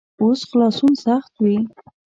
اوس خلاصون سخت وي.